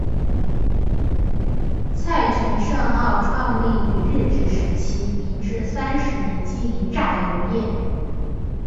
蔡泉盛号创立于日治时期明治三十年经营榨油业。